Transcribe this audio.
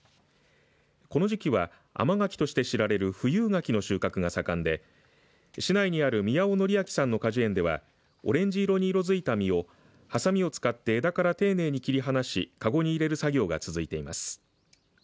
この時期は、甘柿として知られる富有柿の収穫が盛んで市内にある宮尾憲明さんの果樹園ではオレンジ色に色づいた実をはさみを使って枝から丁寧に切り離し籠に入れる作業が続いています。